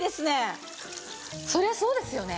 そりゃそうですよね。